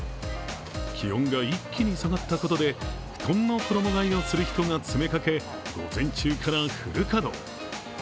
気温が一気に下がったことで布団の衣がえをする人が詰めかけ午前中からフル稼働。